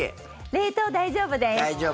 冷凍大丈夫です。